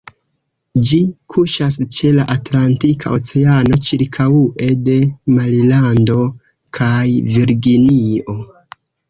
Ĝi kuŝas ĉe la Atlantika Oceano, ĉirkaŭe de Marilando kaj Virginio.